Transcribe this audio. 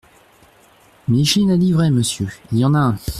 Micheline a dit vrai, monsieur, il y en a un !…